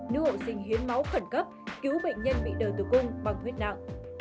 nữ hộ sinh hiến máu khẩn cấp cứu bệnh nhân bị đờ tử cung bằng huyết nặng